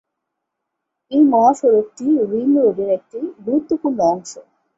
এই মহাসড়কটি রিং রোডের একটি গুরুত্বপূর্ণ অংশ।